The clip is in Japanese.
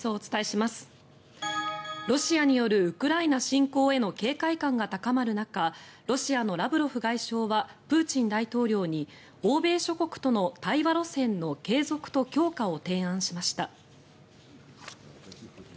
ロシアによるウクライナ侵攻への警戒感が高まる中ロシアのラブロフ外相はプーチン大統領に欧米諸国との対話路線の継続と強化を提案しました。